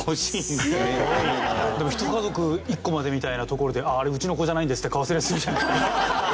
でもひと家族１個までみたいなところで「あれうちの子じゃないんです」って買わせるヤツいるじゃないですか。